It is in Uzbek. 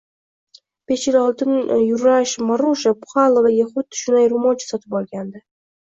Besh yil oldin Yurash Marusha Puxalovaga xuddi shunday roʻmolcha sotib olgandi.